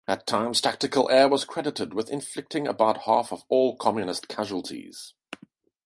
At times, tactical air was credited with inflicting about half of all communist casualties.